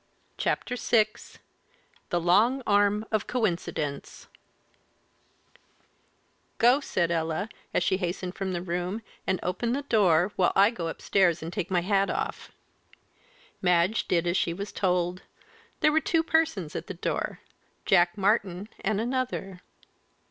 CHAPTER VI THE LONG ARM OF COINCIDENCE "Go," said Ella, as she hastened from the room, "and open the door, while I go upstairs and take my hat off." Madge did as she was told. There were two persons at the door Jack Martyn and another.